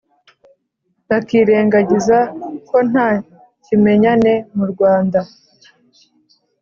bakirengagiza ko nta kimenyane mu Rwanda.